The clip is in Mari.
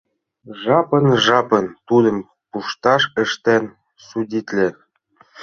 Жапын-жапын тудым пушташ ыштен судитле.